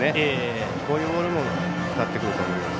こういうボールも使ってくると思います。